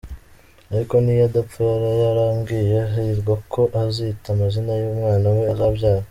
Ariko n’iyo adapfa yari yarabwiye Hirwa ko azita amazina ye umwana we azabyara.